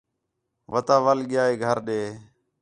وتا وَل ڳِیا ہے گھر ݙے